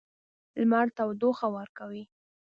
لمر تودوخه ورکوي.